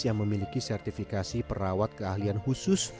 yang memiliki sertifikasi perawat keahlian khusus